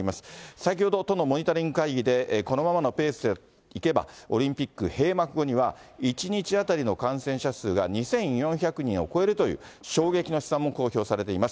先ほど都のモニタリング会議で、このままのペースでいけば、オリンピック閉幕後には、１日当たりの感染者数が２４００人を超えるという、衝撃の試算も公表されています。